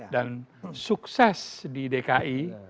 dan sukses di dki